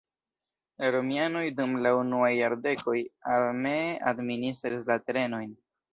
La romianoj dum la unuaj jardekoj armee administris la terenojn.